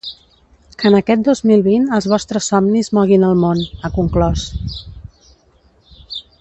Que en aquest dos mil vint els vostres somnis moguin el món, ha conclòs.